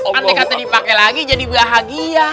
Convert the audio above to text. nanti kata dipake lagi jadi bahagia